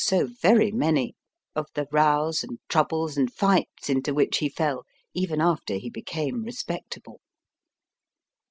so very many of the rows and troubles and fights into which he fell even after he became respectable.